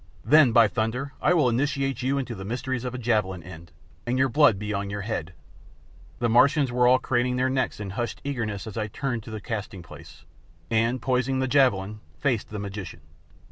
"Then, by thunder, I will initiate you into the mysteries of a javelin end, and your blood be on your head." The Martians were all craning their necks in hushed eagerness as I turned to the casting place, and, poising the javelin, faced the magician.